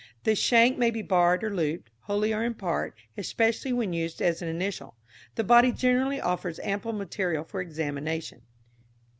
The shank may be barred or looped, wholly or in part, especially when used as an initial. The body generally offers ample material for examination.